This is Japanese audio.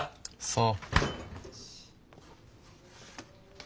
そう。